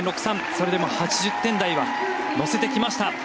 それでも８０点台は乗せてきました。